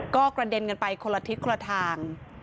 ก็กระเด็นกันไปคนละทิศละทาง